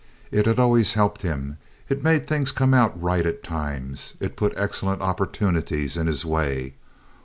It had always helped him. It made things come out right at times. It put excellent opportunities in his way.